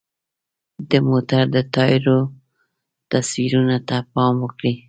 د موټر د ټایر تصویرو ته پام وکړئ.